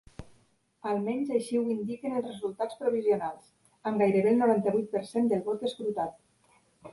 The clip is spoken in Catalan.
Almenys així ho indiquen els resultats provisionals, amb gairebé el noranta-vuit per cent del vot escrutat.